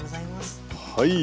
はい。